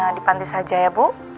karena di panti saja ya bu